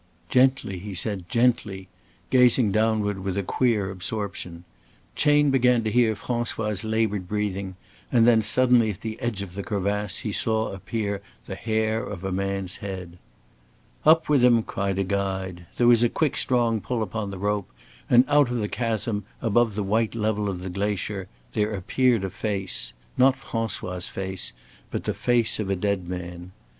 "Gently," he said, "gently," gazing downward with a queer absorption. Chayne began to hear François' labored breathing and then suddenly at the edge of the crevasse he saw appear the hair of a man's head. "Up with him," cried a guide; there was a quick strong pull upon the rope and out of the chasm, above the white level of the glacier, there appeared a face not François' face but the face of a dead man.